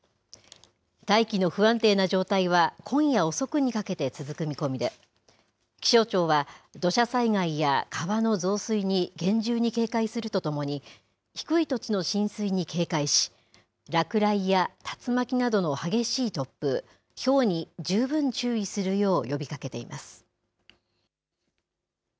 大気の不安定な状態は今夜遅くにかけて続く見込みで、気象庁は土砂災害や川の増水に厳重に警戒するとともに、低い土地の浸水に警戒し、落雷や竜巻などの激しい突風、ひょうに十分注意するよう呼びかけています。